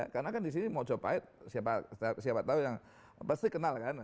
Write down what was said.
karena kan di sini mojo pahit siapa tau yang pasti kenal kan